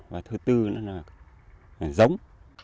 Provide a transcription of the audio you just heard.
và thứ tư là giống